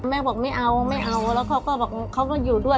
แม่บอกไม่เอาไม่เอาแล้วเขาก็บอกเขาก็อยู่ด้วย